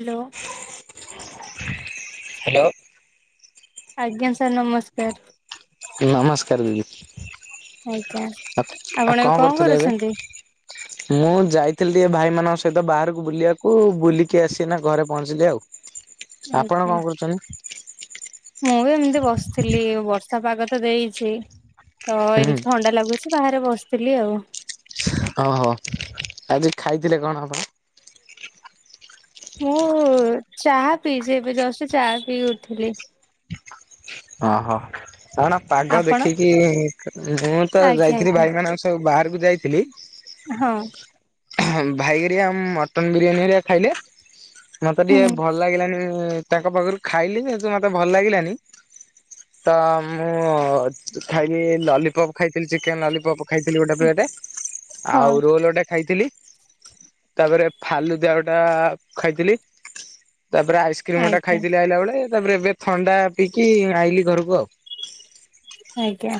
Hello. ଆଜ୍ଞା sir ନମସ୍କାର। ନମସ୍କାର ଦିଦି ଆଜ୍ଞା ଆପଣ ଆଉ ଏବେ କଣ କରୁଥିଲେ ଏବେ? କରୁଛନ୍ତି? ମୁଁ ଯାଇଥିଲି ଟିକେ ଭାଇମାନାଙ୍କ ସହିତ ବାହାରକୁ ବୁଲିବାକୁ ବୁଲିକି ଆସିନା ଘରେ ପହଞ୍ଚିଲି ଆଉ। [inaudible] ଆପଣ ଆଜ୍ଞା କଣ କରୁଛନ୍ତି? ମୁଁ ବି ଏମିତି ବସିଥିଲି ବର୍ଷା ପାଗ ତ ଦେଇଛି ତ ହୁଁ ଏମିତି ଥଣ୍ଡା ଲାଗୁଛି। ବାହାରେ ବସିଥିଲି ଆଉ। ଓହୋ ଆଜି ଖାଇଥିଲେ କଣ ଆପଣ? ମୁଁ ଚାହା ପିଇଛି ଏବେ ଜଷ୍ଟ ଚାହା ପିଇକି ଉଠିଲି। ଓହୋ ଧର ପାଗ ଆପଣ ଦେଖିକି ମୁଁ ତ ଆଜ୍ଞା ଯାଇଥିଲି ଆଜ୍ଞା ଭାଇ ମାନଙ୍କ ସହ ବାହାରକୁ ଯାଇଥିଲି। ହଁ। ଭାଇହେରିକା ମଟନ ବିରିୟାନୀ ହେରିକା ଖାଇଲେ। ମୋତେ ହୁଁ ଟିକେ ଭଲ ଲାଗିଲାନି ତାଙ୍କ ପାଖରୁ ଖାଇଲି କିନ୍ତୁ ମୋତେ ଭଲ ଲାଗିଲାନି। ତ ମୁଁ ଖାଇଲି ଲଲିପପ୍ ଖାଇଥିଲି ଚିକେନ ଲଲିପପ୍। ଖାଇଥିଲି ଗୋଟେ ପ୍ଲେଟ ହଁ ଆଉ ରୋଲ ଗୋଟେ ଖାଇଥିଲି। ତାପରେ ଫାଲୁ ଦେଢଟା ଟା ଖାଇଥିଲି ତାପରେ ଆଇସ୍ କ୍ରିମ ଟା ଆଜ୍ଞା ଖାଇଥିଲି ଆଇଲା ବେଳେ ତାପରେ ଏବେ ଥଣ୍ଡା ପିଇକି ଆଇଲି ଘରକୁ ଆଉ। ଆଜ୍ଞା।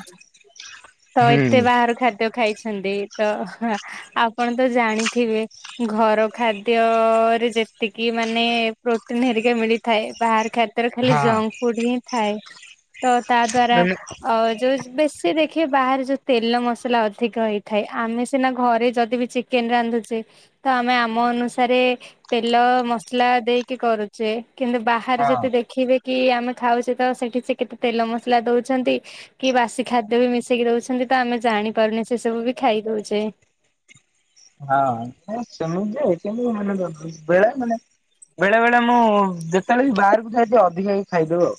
ତ ହୁଁ ଏତେ ବାହାର ଖାଦ୍ୟ ଖାଇଛନ୍ତି ତ ଆପଣ ତ ଜାଣିଥିବେ? ଘର ଖାଦ୍ୟରେ ଯେତିକି ମାନେ ପ୍ରୋଟିନ ହେରିକା ମିଳିଥାଏ, ବାହାର ଖା ରେ ଖାଲି ହଁ ଜଙ୍କ ଫୁଡ ହିଁ ଥାଏ ତ ତା ଦ୍ଵାରା ମାନେ ଅ ଯୋଉ ବେଶୀ ଦେ ଦେଖିବା ବାହାରେ ଯୋଉ ତେଲ ମସଲା ଅଧିକ ହେଇଥାଏ ଆମେ ସିନା ଘରେ ଯଦି ବି ଚିକେନ ରାନ୍ଧୁଛେ। ତ ଆମେ ଆମ ଅନୁସାରେ ତେଲ ମସଲା ଦେଇକି କରୁଛେ କିନ୍ତୁ ବା ହଁ ଯେତେ ଦେଖିବେ କି ଆମେ ଖାଉଛେ ତ ସେଠି ସେ କେତେ ତେଲ ମସଲା ଦଉଛନ୍ତି କି ବାସି ଖାଦ୍ୟ ବି ମିଶେଇକି ଦଉଛନ୍ତି ତ ଆମେ ଜାଣିପାରୁନି ସେ ସବୁ ବି ଖାଇ ଦଉଛେ। ହଁ ସେମ ତି ଜେ କେମତି ମାନେ ବେଳେ ମାନେ ବେଳେ ବେଳେ ମୁଁ ଯେତେବେଳେ ବି ବାହାରକୁ ଯାଏ ଟିକେ ଅଧିକା କି ଖାଇଦଉ ଆଉ।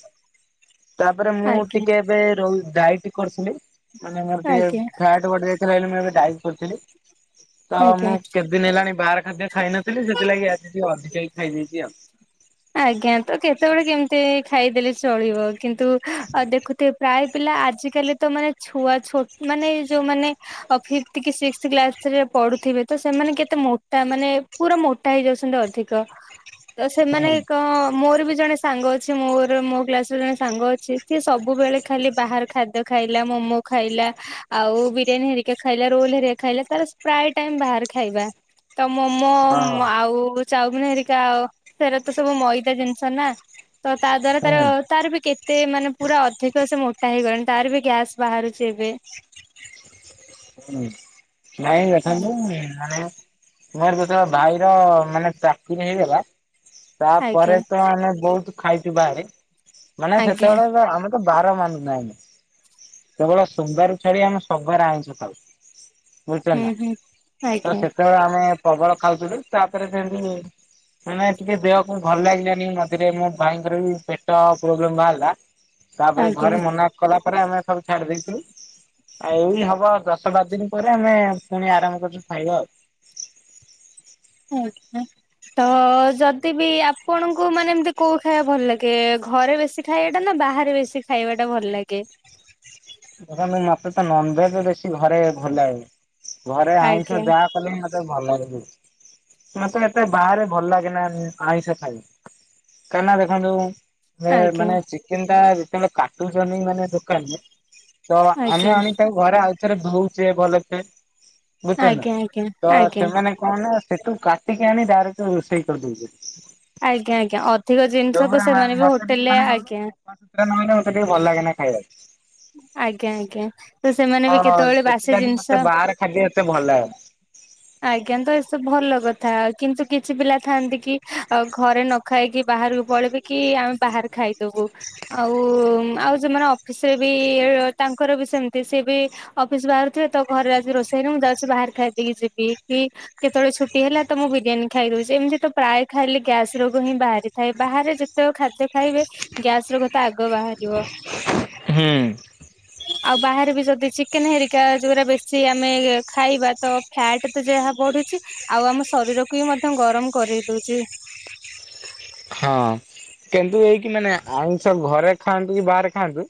ତାପରେ ମୁଁ ଆଜ୍ଞା ଟିକେ ଏବେ ର ଡାଇଟି କରୁଥିଲି। ମାନେ ମୋର ଟିକେ ଆଜ୍ଞା ଫ୍ୟାଟ ବଢ଼ି ଯାଇଥିଲା ବୋଲି ମୁଁ ଏବେ ଡ଼ାଇଟି କରିଥିଲି। ତ ମୁଁ ଆଜ୍ଞା କେତେଦିନ ହେଲାଣି ବାହାର ଖାଦ୍ୟ ଖାଇନଥିଲି, ସେଥିଲାଗି ଆଜି ଟିକେ ଅଧିକାକି ଖାଇ ଦେଇଚି ଆଉ। ଆଜ୍ଞା ତ କେତେବେଳେ କେମିତି ଖାଇଦେଲେ ଚଳିବ। କିନ୍ତୁ ଅ ଦେଖୁଥିବେ ପ୍ରାୟ ପିଲା ଆଜିକାଲି ତ ମାନେ ଛୁଆ ଛ ମାନେ ଯୋଉମାନେ ଅ ଫିପ୍ଥ କି ସିକ୍ସ୍ଥ କ୍ଲାସ ରେ ପଢୁଥିବେ ତ ସେମାନେ କେତେ ମୋଟା ମାନେ ପୁରା ମୋଟା ହେଇଯାଉଛନ୍ତି ଅଧିକ, ତ ସେମାନେ ହ ହଁ ମୋର ବି ଜଣେ ସାଙ୍ଗ ଅଛି। ମୋର ମୋ କ୍ଲାସ ର ଜଣେ ସାଙ୍ଗ ଅଛି ସିଏ ସବୁବେଳେ ଖାଲି ବାହାର ଖାଦ୍ୟ ଖାଇଲା ମୋମୋ ଖାଇଲା, ଆଉ ବିରିୟାନୀ ହେରିକା ଖାଇଲା ରୋଲ ହରିକା ଖାଇଲା। ତାର ସ ପ୍ରାୟ ଟାଇମ ବାହାରେ ଖାଇବା। ତ ମୋମୋ ହଁ। ଆଉ ଚାଉମିିନ ହେରିକା ଆ ତ ସବୁ ମଇଦା ଜିନିଷ ନା ତ ତା ଦ୍ଵାରା ତାର ହୁଁ ତାର ବି କେତେ ମାନେ ପୁରା ଅଧିକ ସେ ମୋଟା ହେଇଗଲାଣି, ତାର ବି ଗ୍ୟାସ୍ ବାହାରୁଛି ଏବେ। ହଁ ନାଇଁ ଦେଖନ୍ତୁ ମାନେ ମୋର ଯେତେବେଳେ ଭାଇର ମାନେ ଚାକିରି ହେଇଗଲା। ତାପରେ ଆଜ୍ଞା ତ ଆମେ ବହୁତ ଖାଇଚୁ ବାହାରେ। ମାନେ ଆଜ୍ଞା ସେତେବେଳେ ଆମେ ବାର ମାନୁ ନା ଆମେ, କେବଳ ସୋମବାର ଛାଡିକି ଆମେ ସବୁବାର ଆଇଁଷ ଖାଉଚୂ। ବୁଝିପ ହୁଁ ନା, ହୁଁ ତ ଆଜ୍ଞା ସେତେବେଳେ ଆମେ ପ୍ରବଳ ଖାଉଥିଲୁ ତାପରେ ଯେମତି ମାନେ ଟିକେ ଦେହକୁ ଭଲ ଲାଗିଲାନି, ମଝିରେ ମୋ ଭାଇଙ୍କର ବି ପେଟ ପ୍ରୋବ୍ଲେମ ବାହାରିଲା। [inaudible] ତାପରେ ଘରେ ମନା କଲା ପରେ ଆମେ ସବୁ ଛାଡି ଦେଇଥିଲୁ। ଆଉ ଏଇ ହବ ଦଶ ବାର ଦିନ ପରେ ଆମେ ପୁଣି ଆରମ୍ଭ କରିଚୁ ଖାଇବା ଆଉ। ହଁଁ। ତ ଯଦି ବି ଆପଣଙ୍କୁ ମାନେ ଏମତି କୋଉ ଖାଇବା ଭଲ ଲାଗେ। ଘରେ ବେଶୀ ଖାଇବା ଟା ନା ବାହାରେ ବେଶି ଖାଇବା ଟା ଭଲ ଲାଗେ। ଧରନ୍ତୁ ମତେ ତ ନନଭେଜ ବେଶୀ ଘରେ ଭଲ ଲାଗେ। ଘରେ ଆଇଁଷ ଆଜ୍ଞା ଯା ଲେ ବି ମତେ ଭଲ ଲାଗେ ବି, କିନ୍ତୁ ମତେ ଏତେ ବାହାରେ ଭଲ ଲାଗେନା ଆଇଁଷ ଖାଇ। କାହିଁକି ନା ଦେଖନ୍ତୁ, ଆଜ୍ଞା ମାନେ ଚିକେନ ଟା ଯେତେବେଳେ କାଟୁଛନ୍ତି ମାନେ ଦୋକାନରେ ତ ଆଜ୍ଞା ଆମେ ଆଣି ତାକୁ ଘରେ ଆଉଥରେ ଧୋଉଛେ ଭଲସେ। ବୁଝୁଚ ନା, ଆଜ୍ଞା ଆଜ୍ଞା ତ ଆଜ୍ଞା। ସେମାନେ କଣ ନା ସେଠୁ କାଟିକି ଆଣି ଡାଇରେକ୍ଟ ରୋଷେଇ କରିଦଉଛନ୍ତି। ଆଜ୍ଞା ଆଜ୍ଞା ଅଧିକ ଜିନିଷ କୁ ଯୋଉଗୁରା ସେମାନେ ବି ମତେ ଟିକେ ହୋଟେଲ ରେ ମାନେ ଆଜ୍ଞା। [unintelligible] ମତେ ଟିକେ ଭଲ ଲାଗେନା ଖାଇବାକୁ। ଆଜ୍ଞା ଆଜ୍ଞା ତ ସେମାନେ ବି ହଁ କେତେବେଳେ ବାସି ସେଥିଲାଗି ମତେ ଜିନିଷ ବାହାର ଖାଦ୍ୟ ଏତେ ଭଲ ଲାଗେନା। ଆଜ୍ଞା ତ ଏସବୁ ଭଲ କଥା, କିନ୍ତୁ କିଛି ପିଲା ଥାଆନ୍ତି କି ଘରେ ନ ଖାଇକି ବାହାରକୁ ପଳେଇବେ କି ଆମେ ବାହାରେ ଖାଇଦବୁ। ଆଉ ଆଉ ଯଉମାନେ ଅପ ସେ ବି ତାଙ୍କର ବି ସେମିତି ସେ ବି ଅଫିସ୍ ବାହାରୁଥିବେ ତ ଘରେ ଆଜି ରୋଷେଇ ହେଇନି, ମୁଁ ଯାଉଛି ବାହାରେ ଖାଇଦେଇକି ଯିବି କି କେତେବେଳେ ଛୁଟି ହେଲା ତ ମୁଁ ବିରିୟାନୀ ଖାଇଦଉଛି। ଏମିତି ତ ପ୍ରାୟ ଖାଇଲେ ଗ୍ୟାସ୍ ରୋଗ ହିଁ ବାହାରିଥାଏ। ବାହାରେ ଯେ ତ ଖାଦ୍ୟ ଖାଇବେ ଗ୍ୟାସ୍ ରୋଗ ତ ଆଗ ବାହାରିବ। ହୁଁ। ଆଉ ବାହାରେ ବି ଯଦି ଚିକେନ୍ ହେରିକା ଯୋଉରା ବେଶି ଆମେ ଖାଇବା ତ ଫ୍ୟାଟ୍ ତ ଯାହା ବଢ଼ୁଛି, ଆଉ ଆମ ଶରୀରକୁ ବି ମଧ୍ୟ ଗରମ କରେଇ ଦଉଚି। ହଁ କିନ୍ତୁ ଏଇକି ମାନେ ଆଇଁଷ ଘରେ ଖାଆନ୍ତୁ କି ବାହାରେ ଖାଆନ୍ତୁ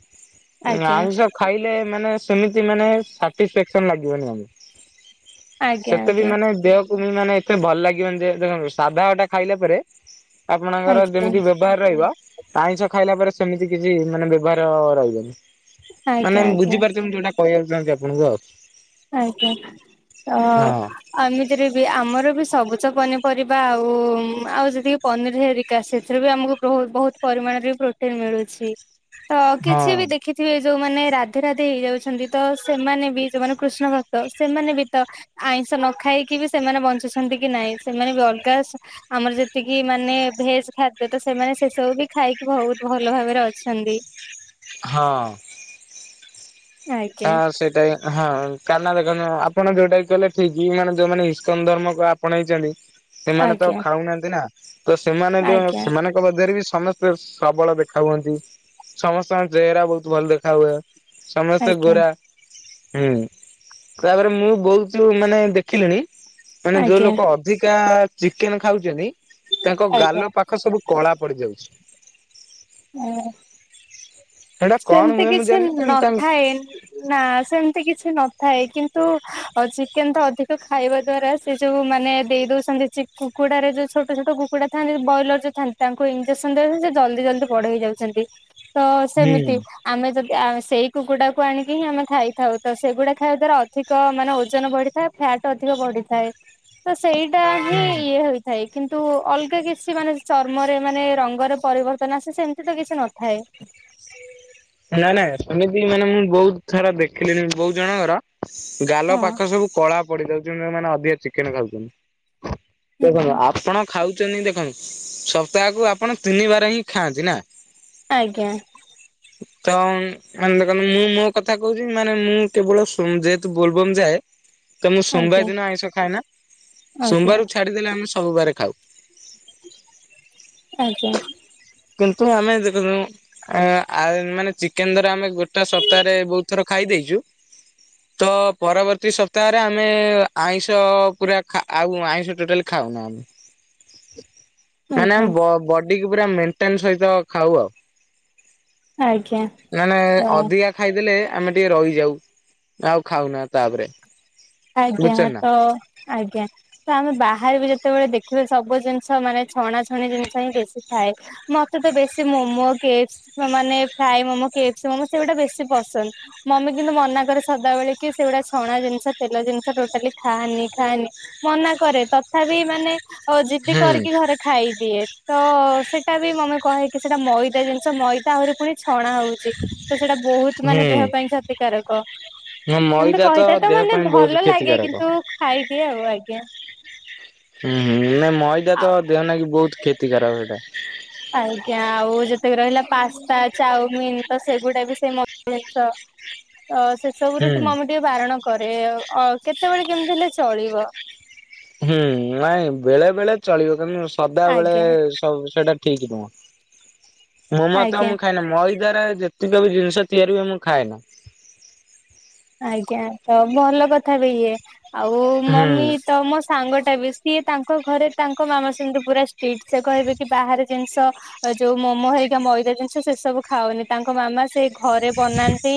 ଆଜ୍ଞା ଆଇଁଷ ଖାଇଲେ ମାନେ ସେମିତି ମାନେ ସାଟିସେକ୍ସନ ଲାଗିବନି ଆମକୁ ଆଜ୍ଞା ସେତେ ବି ଆଜ୍ଞା ମାନେ ଦେହକୁ ବି ମାନେ ଏତେ ଭଲ ଲାଗିବନ ଯେ, ଦେଖନ୍ତୁ ସାଧା ଗୋଟେ ଖାଇଲା ପରେ ଆପଣଙ୍କର ଆଜ୍ଞା ଯେମିତି ବ ବ୍ୟବହାର ରହିବ, ଆଇଁଷ ଖାଇଲା ପରେ ସେମିତି କିଛି ମାନେ ବ୍ୟବହାର ରହିବନି। ଆଜ୍ଞା ମାନେ ଆଜ୍ଞା ବୁଝିପାରୁଚନ୍ତି ଯୋଉଟା କହିବାକୁ ଚାହୁଁଚି ଆପଣଙ୍କୁ ଆଉ ଆଜ୍ଞା। ଅ ହଁ ଆ ଏମିତିରେ ବି, ଆମର ବି ସବୁଜ ପନିପରିବା, ଆଉ-ଆଉ ଯେତିକି ପନିର ହେରି କା, ସେଥିରୁ ବି, ଆମକୁ ବହୁତ ବହୁତ ପରିମାଣରେ ପ୍ରୋଟିନ୍ ମିଳୁଛି। ତ, କିଛି ବି ହଁ ଦେଖିଥିବେ, ଯୋଉମାନେ ରାଧେ ରାଧେ ହେଇଯାଉଛନ୍ତି, ତ ସେମାନେ ବି, ଯୋଉମାନେ କୃଷ୍ଣ ଭକ୍ତ, ସେମାନେ ବି ତ ଆଇଁଷ ନ ଖାଇକି ବି, ସେମାନେ ବଞ୍ଚୁଛନ୍ତି କି ନାଇଁ? ସେମାନେ ବି ଅଲଗା ଆମର ଯେତିକି, ମାନେ ଭେଜ୍ ଖାଦ୍ୟ, ତ ସେମାନେ ସେ ସବୁ ବି ଖାଇକି ବହୁତ ଭଲ ଭାବରେ ଅଛନ୍ତି। ହଁ। ହଁ, ଆଜ୍ଞା ସେଇଟା ବି ହଁ କାରଣା, ଦେଖନ୍ତୁ, ଆପଣ ଯୋଉଟା କି କହିଲେ ଠିକ୍। ମାନେ, ଯୋଉମାନେ ଇସ୍କନ ଧର୍ମକୁ ଆପଣେଇଛନ୍ତି ସେମାନେ ତ ଆଜ୍ଞା ଖାଉନାହାନ୍ତି ନା, ତ ସେମାନେ ଏବେ, ଆଜ୍ଞା ସେମାନେ ମଧ୍ୟରେ ବି, ସମସ୍ତେ ସବଳ ଦେଖା ହୁଅନ୍ତି। ସମସ୍ତଙ୍କ ଚେହେରା ବହୁତ ଭଲ ଦେଖା ହୁଏ। ସମ ସ୍ତେ ଆଜ୍ଞା ଗୋରା। ହୁଁ। ତାପରେ, ମୁଁ ବହୁତୁ, ମାନେ, ଦେଖିଲିଣି ମାନେ, ଯୋଉ ଆଜ୍ଞା ଲୋକ ଅଧିକା ଚିକେନ୍ ଖାଉଛନ୍ତି, ତାଙ୍କ ଆଜ୍ଞା। ଗାଲ ପା ଖ ସବୁ କଳା ପଡ଼ିଯାଉଛି। ହଁ। କଣ ସେମିତି ହୁଏ ମୁଁ କିଛି ଜାଣିନି କିନ୍ତୁ ତାଙ୍କ ନଥାଏ। ନା, ସେମିତି କି କିଛି ନଥାଏ। କିନ୍ତୁ, ଚିକେନ ତ ଅଧିକ ଖାଇବା ଦ୍ଵାରା, ସେ ଯୋଉ ମାନେ, ଦେଇ ଦଉଛନ୍ତି, ଚି କୁକୁଡ଼ା ରେ, ଯୋଉ ଛୋଟ ଛୋଟ କୁକୁଡ଼ା ଥାନ୍ତି, ବ୍ରଏଲର ଯୋଉଥାନ୍ତି, ତାଙ୍କୁ ଇଞ୍ଜେକ୍ସନ ଦେଲେ, ସେ ଜଲଦି ଜଲଦି ବଡ଼ ହେଇଯାଉ ଛନ୍ତି। ତ ହୁଁ ସେମିତି ଆମେ ଯଦି, ଆ ସେଇ କୁକୁଡ଼ାକୁ ଆଣିକି ହିଁ ଆମେ ଖାଇଥାଉ, ତ ସେଗୁଡ଼ା ଖାଇବା ଦ୍ଵାରା ଅଧି କ, ମାନେ, ଓଜନ ବଢ଼ିଥାଏ। ଫ୍ୟାଟ୍ ଅଧିକ ବଢ଼ି ଥାଏ। ତ, ସେଇଟା ହିଁ ହୁଁ। ଇଏ ହୋଇଥାଏ। କିନ୍ତୁ, ଅଲଗା କିଛି ମାନେ, ଚର୍ମରେ ମାନେ ରଙ୍ଗରେ ପରିବର୍ତ୍ତନ ଆସେ ସେମିତି ତ କିଛି ନ ଥାଏ। ନାଇଁ, ନାଏ। ସେମିତି ମାନେ, ମୁଁ ବହୁତ ଥର ଦେଖିଲିିଣି, ବହୁତ୍ ଜଣଙ୍କର ଗାଲ ପାଖ ସବୁ କଳା ପଡି ଯାଉଛି। ଯଉମାନେ ଅଧିକ ଚିକେନ ଖାଉଛନ୍ତି। ଦେଖନ୍ତୁ, ହଁ। ଆପଣ ଖାଉଛନ୍ତି। ଦେଖନ୍ତୁ, ସପ୍ତାହକୁ ଆପଣ ତିନିିବାର ହିଁ ଖାଆନ୍ତି ନା। ଆଜ୍ଞା। ତମ ମାନେ, ଦେଖନ୍ତୁ ମୁଁ ମୋ କଥା କହୁଛି। ମାନେ, ମୁଁ କେବଳ ସୋମ-ଯେହେତୁ ବୋଲବମ ଯାଏ। ତ, ମୁଁ ଆଜ୍ଞା ସୋମବାର ଦିନ ଆଇଁଷ ଖାଏ ନା। ଆଜ୍ଞା ସୋମବାର ଛାଡ଼ିଦଲେ ଆମେ ସବୁ ବାରେ ଖାଉ। ଆଜ୍ଞା। କିନ୍ତୁ, ଆମେ ଦେଖନ୍ତୁ, ଆ-ଆ-ମାନେ, ଚିକେନ ଦ୍ୱାରା ଆମେ ଗୋଟେ ସପ୍ତାହରେ ବହୁତ ଥର ଖାଇ ଦେଇଛୁ। ତ, ପରବର୍ତ୍ତୀ ସପ୍ତାହରେ ଆମେ ଆଇଁଷ ପୁରା ଖା-ଆଉ, ଆଇଁଷ ଟୋଟାଲି ଖାଉନାଉଁ। ହୁଁ [inaudible] ମାନେ, ଆମ ବ ବଡିକୁ ପୁରା ମେଣ୍ଟେନ୍ ସହିତ ଖାଉ ଆଉ। ଆଜ୍ଞା। ମାନେ, ଆଜ୍ଞା ଅଧିକା ଖାଇଦେଲେ ଆମେ ଟିକେ ରହିଯାଉ, ଆଉ ଖାଉନା। ତାପରେ। ଆଜ୍ଞା। ବୁଝୁଛ ନା। ତ, ଆଜ୍ଞ। ତ, ଆମେ ବାହାରେ ବି ଯେତେବେଳେ ଦେଖିବେ, ସବୁ ଜିନିଷ ମାନେ ଛଣା ଛଣି ଜିନିଷ ହିଁ ବେଶୀ ଥାଏ। ମତେ ତ ବେଶୀ ମୋମୋ, କେପସ୍‌ ମାନେ ଫ୍ରାଏ ମୋମୋ, କେପସ୍ ମମୋ, ସେଗୁଡା ବେଶୀ ପସନ୍ଦ। ମମି କିନ୍ତୁ ମନା କରେ ସଦାବେଳେ କି, ସେଗୁଡା ଛଣା ଜିନିଷ ତେଲ ଜିନିଷ ଟୋଟାଲି ଖାନି, ଖାନି ମନା କରେ। ତଥାପି, ମାନେ ଓ ଯିଦି ହୁଁ କରିକି ଘରେ ଖାଇଦିଏ। ତ ସେଇଟା ବି ମମି କହେ କି, ସେଇଟା ମଇଦା ଜିନିଷ। ମଇଦା, ଆହୁରି ପୁଣି ଛଣା ହଉଛି ତ ସେଇଟା ବହୁତ ମାନେ ହୁଁ। ଦେହ ପାଇଁ କ୍ଷତିକାରକ। ନା ସେମତି ମଇଦା କହିଥାଏ ତ ଦେହ ମାନେ ପାଇଁ ବହୁତ ଭଲ ଲାଗେ କ୍ଷତିକାରକ। କିନ୍ତୁ ଖାଇଦିଏ ଆଉ ଆଜ୍ଞା। ହୁଁ ହୁଁ ନାଁ ମଇଦା ତ ଦେହ ନା କି ବହୁତ କ୍ଷତି ଖରାପ ସେଇଟା। ଆଜ୍ଞା ଆଉ ଯେତିକି ରହିଲା ପାସ୍ତା, ଚାଉମିିନ, ତ ସେଗୁଡା ବି ସେଇ ମଇଦା ଜିନିଷ। ତ ସେସବୁ ହୁଁ। ରୁ ଟିକ ମମି ଟିକେ ବାରଣ କରେ କେତେବେଳେ କେମିତି ହେଲେ ଚଳିବ। ହୁଁ ନାଇଁ ବେଳେ ବେଳେ ଚଳିବ କିନ୍ତୁ ସଦାବେଳେ ଆଜ୍ଞା ସବୁ ସେଟା ଠିକ ନୁହ ମୋମ ତ ଆଜ୍ଞା। ମୁଁ ଖାଇନି ମଇଦାରେ ଯେତ ତିକବି ଜିନିଷ ତିଆରି ହୁଏ ମୁଁ ଖାଏନା। ଆଜ୍ଞା ତ ଭଲ କଥା ବି ଇଏ। ଆଉ ହୁଁ। ମମି ତ ମୋ ସାଙ୍ଗଟା ବି ସିଏ ତାଙ୍କ ଘରେ ତାଙ୍କ ମାମା ସେମିତି ପୁରା ଷ୍ଟ୍ରିଟି ସେ କହିବେ କି ବାହାରେ ଜିନିଷ ଯୋଉ ମୋମୋ ହେରିକା ମଇଦା ଜିନିଷ ସେ ସବୁ ଖାଉନି ତାଙ୍କ ମାମା ସେ ଘରେ ବନାନ୍ତି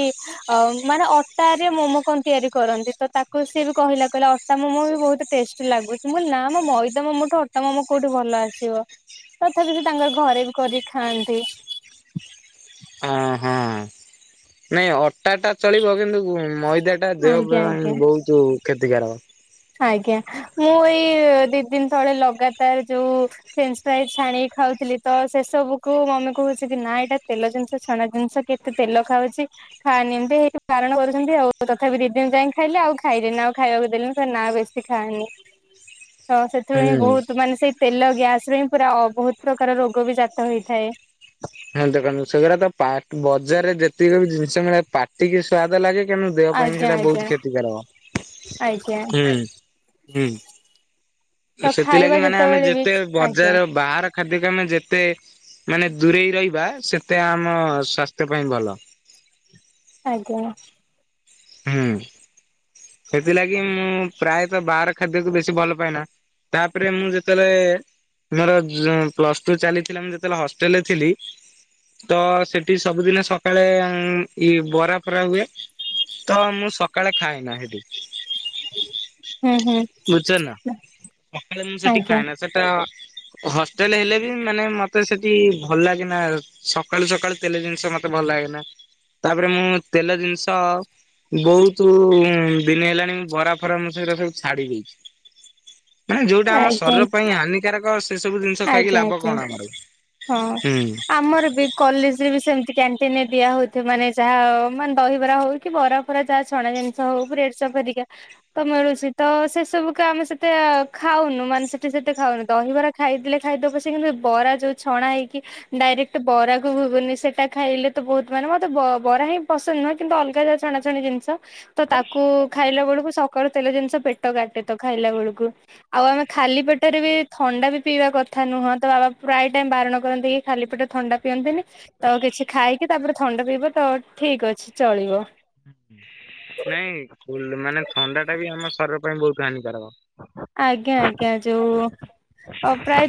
ଅ ମାନେ ଅ ଅଟାରେ ମୋମୋ କଣ ତିଆରି କରନ୍ତି ତ ତାକୁ ସିଏ ବି କହିଲା କହିଲା ଅଟା ମୋମୋ ବି ବହୁତ ଟେଷ୍ଟ ଲାଗୁଛି। ମୁଁ କହିଲି ନା ମୋ ମଇଦା ମାମୋ ଠୁ ଅଟା ମୋମୋ କୋଉଠି ଭଲ ଆସିବ। ତଥାପି ବି ତାଙ୍କର ଘରେ ବି କରିକି ଖାଆନ୍ତି। ଆଁହାଁ ନାଇଁ ଅଟା ଟା ଚଳିବ କିନ୍ତୁ ମଇଦା ଟା ଦେହ ଆଜ୍ଞା ଆଜ୍ଞା। ପାଇଁ ବହୁତ କ୍ଷତିକାରକ। ଆଜ୍ଞା। ମୁଁ ଏଇ ଦି ଦିନ ତଳେ ଲଗାତାର ଯୋଉ ଫ୍ରିନସ୍ ପ୍ରାଇ ଛାଣିକି ଖାଉଥିଲି ତ ସେ ସବୁ ମମି କହୁଛି କି ନା ଏଇଟା ତେଲ ଜିନିଷ ଛଣା ଜିନିଷ କେତ ତେ ତେଲ ଖାଉଛି। ଖନି ଏମିତି ହେଇି ବାରଣ କରୁଛନ୍ତି ଆଉ ତଥାପି ଦି ଦିନ ଯାଇ ଖାଇଲି ଆଉ ଖାଇଲେନି ଆଉ ଖାଇବାକୁ ଦେଲିିନି। ନା ବେଶୀ ଖାଆନି ତ ସେଥିରୁ ହିଁ ହୁଁ ବହୁତ୍ ମାନେ ସେଇ ତେଲ ଗ୍ୟାସ୍ ରୁ ହିଁ ପୁରା ଅ-ବହୁତ୍ ପ୍ରକାର ରୋଗ ବି ଜାତ ହେଇଥାଏ। ହଁ ଦେଖନ୍ତୁ ସେଗୁରା ତ ପା- ବଜାରରେ ଯେତିକି ବି ଜିନିଷ ମିଳେ ପାଟିକି ସ୍ଵାଦ ଲାଗେ କିନ୍ତୁ ଦେହ ପାଇଁ ବି ଆଜ୍ଞା ସେଇଟା ବହୁତ୍ ଆଜ୍ଞା ଆଜ୍ଞା କ୍ଷତିକାରକ। ତ ଖାଇବା ସେଥିଲାଗି ମାନେ ଆମେ ଯେତେବେଳେ ବି ଯେତେ ଆଜ୍ଞା ବଜାର ବାହାର ଖାଦ୍ୟ କୁ ଆମେ ଯେତେ ମାନେ ଦୂରେଇ ରହିବା ସେତେ ଆମ ସ୍ୱାସ୍ଥ୍ୟ ପାଇଁ ଭଲ। ଆଜ୍ଞା। ହୁଁ ସେଥିଲାଗି ମୁଁ ପ୍ରାୟତଃ ବାହାର ଖାଦ୍ୟକୁ ବେଶୀ ଭଲ ପାଏନା। ତାପରେ ମୁଁ ଯେତେବେଳେ ମୋର ଜ-ପ୍ଲସ୍ ଟୁ ଚାଲିଥିଲା ମୁଁ ଯେତେବେଳେ ହଷ୍ଟେଲ ରେ ଥିଲି ତ ସେଠି ସବୁଦିନେ ସକାଳେ ଉଁ -ଇ ବରା ଫରା ହୁଏ। ତ ମୁଁ ସକାଳେ ଖାଏନା ହେଟି। ହୁଁ ହୁଁ ବୁଝୁଚ ନା [unintelligible] ଆଜ୍ଞା ଖାଏନା ସେଟା ହଷ୍ଟେଲ୍ ହେଲେ ବି ମାନେ ମତେ ସେଠି ଭଲ ଲାଗେନା ସକାଳୁ ସକାଳୁ ତେଲ ଜିନିଷ ମତେ ଭଲ ଲାଗେନା ତାପରେ ମୁଁ ତେଲ ଜିନିଷ ବହୁତୁ ଦିନି ହେଲାଣି ମୁଁ ବରା ଫରା ମୁଁ ସେରା ସେଗୁରା ସବୁ ଛାଡି ଦେଇଚି। ମାନେ ଯଉଟା ଆମ ଆଜ୍ଞା ଶରୀର ପାଇଁ ହାନିକାରକ ସେ ସବୁ ଜିନିଷ ଖାଇକି ଆଜ୍ଞା ଲାଭ ଆଜ୍ଞା କଣ ଆମର। ହଁ ହୁଁ ଆମର ବି କଲେଜ୍ ରେ ବି ସେମିତି କ୍ୟାଣ୍ଟିନ ଦିଆ ହଉଥିବ ମାନେ ଯାହା ମାନେ ଦହିବରା ହଉ କି ବରା ପୁରା ଯାହା ଛଣା ଜିନିଷ ହଉ ବ୍ରେଡ ଚପ୍ ହେରିକା ତ ମିଳୁଚି ତ ସେ ସବୁକୁ ଆମେ ସେତେ ଖାଉନୁ ମାନେ ସେଠି ସେତେ ଖାଉନୁ ଦହିବରା ଖାଇଦେଲେ ଖାଇଦବୁ ପଛେ କିନ୍ତୁ ଏ ବରା ଯଉ ଛଣା ହେଇକି ଡାଇରେକ୍ଟ ବରା କୁ ଘୁଗୁନି ସେଟା ଖାଇଲେ ତ ବହୁତ ମାନେ ମତେ ବ- ବରା ହିଁ ପସନ୍ଦ୍ ନୁହେଁ କିନ୍ତୁ ଅଲଗା ଯେ ଛଣାଛଣି ଜିନିଷ ତ ତାକୁ ଖାଇଲା ବଳକୁ ସ କଲ୍ ତେଲ ଜିନିଷ ପେଟ କାଟେ ତ ଖାଇଲା ବେଳକୁ ଆଉ ଆମେ ଖାଲି ପେଟରେ ବି ଥଣ୍ଡା ବି ପିଇବା କଥା ନୁହଁ ତ ବା [unintelligible] ଦେମ୍ ବାରଣ କରନ୍ତି କି ଖାଲି ପେଟରେ ଥଣ୍ଡା ପିଅନ୍ତିନି। ତ କିଛି ଖାଇକି ତାପରେ ଥଣ୍ଡା ପିଇବ ତ ଠିକ୍ ଅଛି ଚଳିବ। ନାଇଁ ଫୁଲ୍ ମାନେ ଥଣ୍ଡାଟା ବି ଆମ ଶରୀର ପାଇଁ ବହୁତ୍ ହାନିକାରକ। ଆଜ୍ଞା- ଆଜ୍ଞା ଯଉ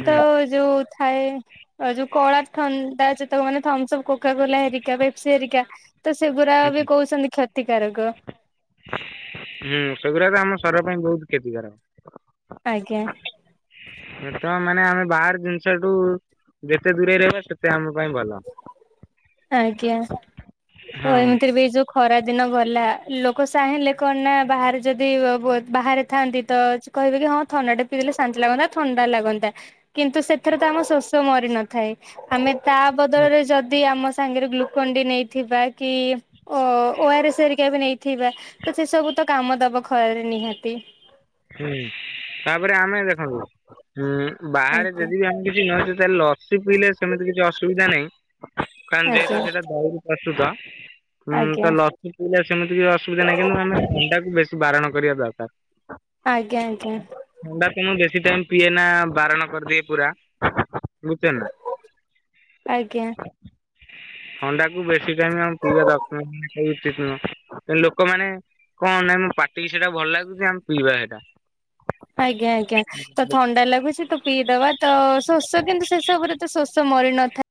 ହୁଁ ଯଉ ଥାଏ ଆଉ ଯଉ କଳା ଥଣ୍ଡା ଯେତେ ମାନେ ଥମସ୍ପ୍ କୋକାକୋଲା ହେରିକା ପେପ୍ସି ହେରିକା ତ ସେଗୁରା ହୁଁ। ବି କହୁଚନ୍ତି କ୍ଷତିକାରକ। ହୁଁ ସେଗୁରା ବି ଆମ ଶରୀର ପାଇଁ ବହୁତ୍ କ୍ଷତିକାରକ। ଆଜ୍ଞା। ଏ ତ ମାନେ ଆମେ ବାହାର ଜିନିଷଠୁ ଯେତେ ଦୂରେଇ ରହିବା ସେତେ ଆମ ପାଇଁ ଭଲ। ଆଜ୍ଞା ତ ହଁ ଏମିତିରେ ବି ଯଉ ଖରା ଦିନ ଗଲା ଲୋକ ଚାହିଁଲେ କଣ ନା ବାହାରେ ଯଦି ବ -ବାହାରେ ଥାଆନ୍ତି ତ କହିବେ କି ହଁ ଥଣ୍ଡାଟା ପିଇଲେ ଶାନ୍ତି ଲାଗନ୍ତା ଥଣ୍ଡା ଲାଗନ୍ତା। କିନ୍ତୁ ସେଥିରେ ତ ଆମ ଶୋଷ ମରି ନଥାଏ। ଆମେ ତା ବଦଳରେ ଯଦି ଆମ ସାଙ୍ଗରେ ଗ୍ଲୁକୋନଡି ନେଇ ଥିବା କି ଓ -ଓଆରଏସ ହେରିକା ବି ନେଇଥିବା ତ ସେସବୁ ତ କାମ ଦବ ଖରାରେ ନିହାତି। ହୁଁ ତାପରେ ଆମେ ଦେଖନ୍ତୁ ବାହାରେ ଆଜ୍ଞା। ଯଦି ବି ଆମେ କିଛି [unintelligible] ତାହେଲେ ଲ ଲସି ପିଇଲେ ସେମିତି କିଛି ଅସୁବିଧା ନାହିଁ କାରଣ ଆଜ୍ଞା ଯେହେତୁ ସେଇଟା ଦହିରୁ ପ୍ରସ୍ତୁତ। ହୁଁ ଆଜ୍ଞା ତ ଲସି ପିଇଲେ ସେମିତି କି ଅସୁବିଧା ନାହିଁ କିନ୍ତୁ ଆମେ ଥଣ୍ଡାକୁ ବେଶୀ ବାରଣ କରିବା ଦରକାର। ଆଜ୍ଞା ଆଜ୍ଞା। ଥଣ୍ଡା ତ ବେଶୀ ଟାଇମ ପିଏନା ବାରଣ କରିଦିଏ ପୁରା ବୁଝୁଚନ୍ତିନା। ଆଜ୍ଞା। ଥଣ୍ଡାକୁ ବେଶୀ ଟାଇମ ଆମେ ପିଇବା ଦରକାର [unintelligible] ଉଚିତ ନୁହଁ ତେଣୁ ଲୋକମାନେ କଣ ନାଇଁ ମୋ ପାଟିକି ସେଇଟା ଭଲ ଲାଗୁଛି ଆମେ ପିଇବା ହେଟା। ଆଜ୍ଞା ଆଜ୍ଞା। ତ ଥଣ୍ଡା ଲାଗୁଛି ତ ପିଇଦବା ତ ଶୋଷ କିନ୍ତୁ ଶେସବୁରେ ତ ଶୋଷ ମରି ନଥା